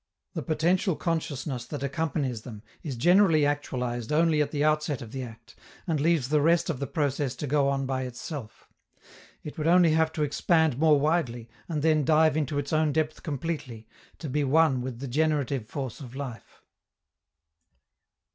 The potential consciousness that accompanies them is generally actualized only at the outset of the act, and leaves the rest of the process to go on by itself. It would only have to expand more widely, and then dive into its own depth completely, to be one with the generative force of life.